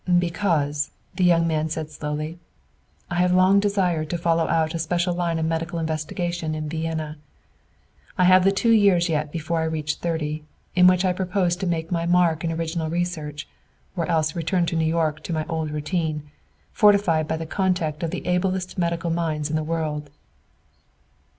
"Because," said the young man, slowly, "I have long desired to follow out a special line of medical investigation in Vienna. I have the two years yet before I reach thirty, in which I propose to make my mark in original research, or else return to New York to my old routine, fortified by the contact of the ablest medical minds in the world."